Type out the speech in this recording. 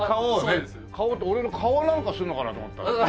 「かお」って俺の顔なんかするのかなと思った。